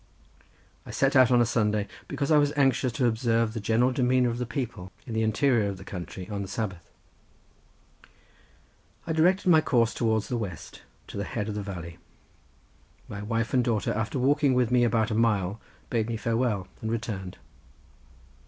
I set out on a Sunday because I was anxious to observe the general demeanour of the people, in the interior of the country, on the Sabbath. I directed my course towards the west, to the head of the valley. My wife and daughter after walking with me about a mile bade me farewell, and returned.